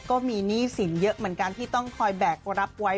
ก็มีหนี้สินเยอะเหมือนกันที่ต้องคอยแบกรับไว้